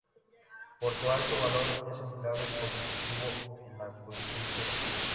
Por su alto valor es empleado para su cultivo en acuicultura.